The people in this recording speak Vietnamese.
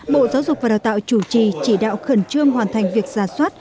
bộ giáo dục và đào tạo chủ trì chỉ đạo khẩn trương hoàn thành việc giả soát